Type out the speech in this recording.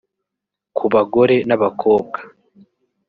ku bagore n’abakobwa